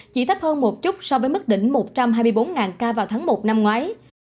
chỉ thấp hơn một chút so với mức đỉnh một trăm hai mươi bốn ca vào tháng một năm ngoái